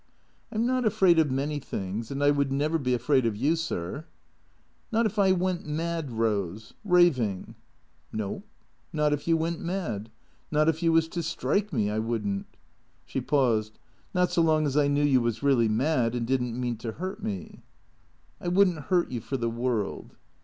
" I 'm not afraid of many things, and I would never be afraid of you, sir." "Not if I went mad, Eose? Eaving?" " No. Not if you went mad. Not if you was to strike me, I would n't." She paused. " Not so long as I knew you was reelly mad, and did n't mean to hurt me." " I would n't hurt you for the world."